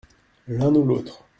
L’un ou l’autre.